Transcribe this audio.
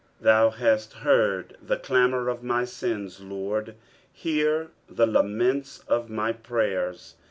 Thou hast heard the clamour of my sins. Lord ; hear the laments of my prayers.